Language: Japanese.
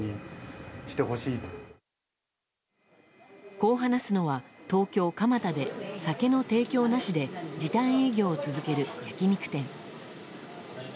こう話すのは、東京・蒲田で酒の提供なしで時短営業を続ける焼き肉店。